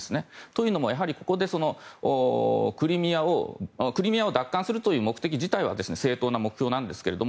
というのも、やはりここでクリミアを奪還するという目的自体は正当な目標なんですけど